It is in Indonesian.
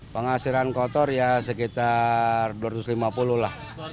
penghasilan kotor ya sekitar dua ratus lima puluh lah